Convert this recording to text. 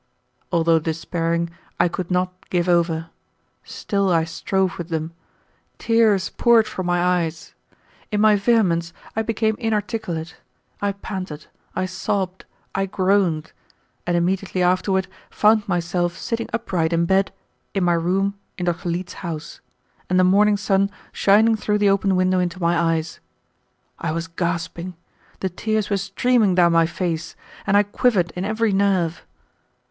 Although despairing, I could not give over. Still I strove with them. Tears poured from my eyes. In my vehemence I became inarticulate. I panted, I sobbed, I groaned, and immediately afterward found myself sitting upright in bed in my room in Dr. Leete's house, and the morning sun shining through the open window into my eyes. I was gasping. The tears were streaming down my face, and I quivered in every nerve.